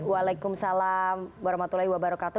waalaikumsalam warahmatullahi wabarakatuh